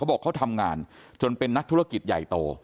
บอกเขาทำงานจนเป็นนักธุรกิจใหญ่โต